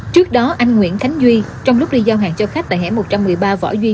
trước đó anh nguyễn khánh duy trong lúc đi giao hàng cho khách tại hẻ một trăm một mươi ba võ duy